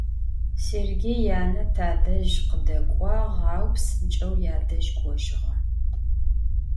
Sêrgêy yane tadej khıdek'uağ, au psınç'eu yadej k'ojığe.